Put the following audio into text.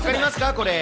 これ。